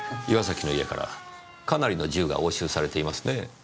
岩崎の家からかなりの銃が押収されていますねぇ。